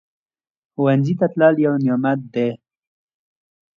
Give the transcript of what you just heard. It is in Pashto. ښوونځی ته تلل یو نعمت دی